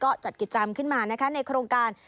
ก็จัดกิจจำขึ้นมาในโครงการ